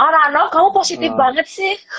ah ranov kamu positif banget sih